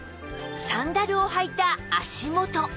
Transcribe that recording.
サンダルを履いた足元